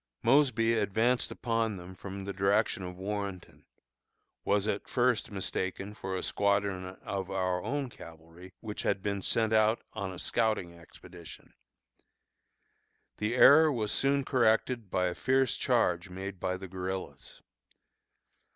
Mosby advanced upon them from the direction of Warrenton was at first mistaken for a squadron of our own cavalry, which had been sent out on a scouting expedition. The error was soon corrected by a fierce charge made by the guerillas.